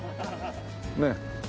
ねえ。